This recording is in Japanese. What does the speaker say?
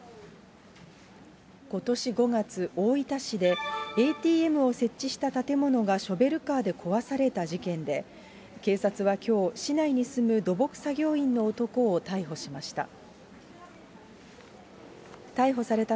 ことし５月、大分市でＡＴＭを設置した建物がショベルカーで壊された事件で、警察はきょう、市内に住む土木作業員の男を逮捕しました。